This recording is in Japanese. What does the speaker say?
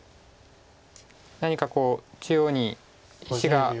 何か中央に石が。